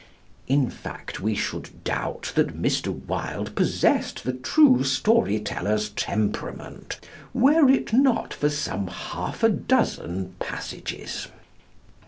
In fact we should doubt that Mr. Wilde possessed the true story teller's temperament were it not for some half a dozen passages.